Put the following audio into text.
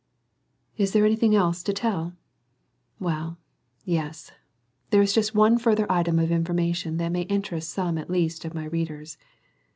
Is there anything else to tell? Well, yes; there is just one further item of information that may interest some at least of my readers.